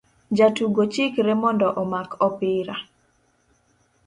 Jatugo chikre mondo omak opira